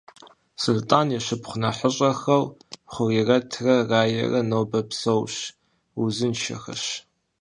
Сулътӏан и шыпхъу нэхъыщӏэхэу Хурирэтрэ Раерэ нобэ псэущ, узыншэхэщ.